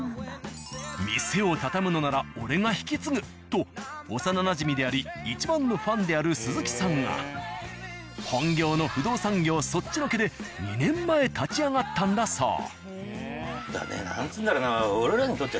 店を畳むのなら俺が引き継ぐとである鈴木さんが本業の不動産業そっちのけで２年前立ち上がったんだそう。